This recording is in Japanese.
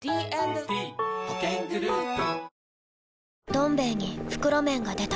「どん兵衛」に袋麺が出た